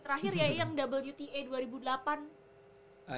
terakhir ya yang wta dua ribu delapan